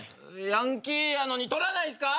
ヤンキーやのに取らないんすか！？